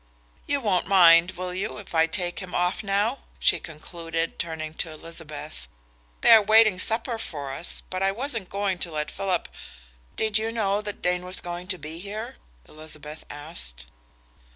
You won't mind, will you, if I take him off now?" she concluded, turning to Elizabeth. "They are waiting supper for us, but I wasn't going to let Philip " "Did you know that Dane was going to be here?" Elizabeth asked.